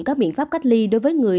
các biện pháp cách ly đối với người